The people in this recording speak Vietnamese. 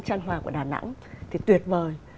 trăn hoà của đà nẵng thì tuyệt vời